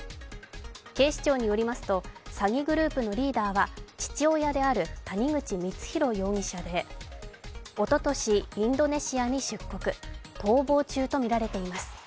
警視庁によりますと詐欺グループのリーダーは父親である谷口光弘容疑者で、おととしインドネシアに出国、逃亡中とみられています。